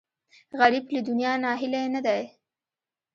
غریب له دنیا ناهیلی نه دی